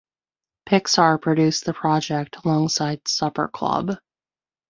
Pixar produced the project alongside Supper Club.